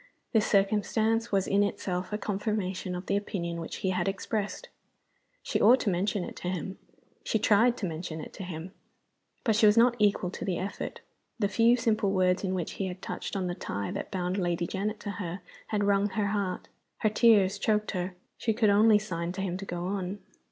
This circumstance was in itself a confirmation of the opinion which he had expressed. She ought to mention it to him; she tried to mention it to him. But she was not equal to the effort. The few simple words in which he had touched on the tie that bound Lady Janet to her had wrung her heart. Her tears choked her. She could only sign to him to go on.